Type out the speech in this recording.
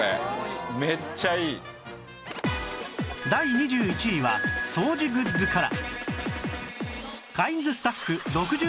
第２１位は掃除グッズから